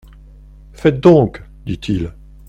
Faites donc, dit-il.